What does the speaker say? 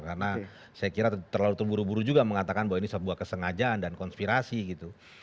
karena saya kira terlalu terburu buru juga mengatakan bahwa ini sebuah kesengajaan dan konspirasi gitu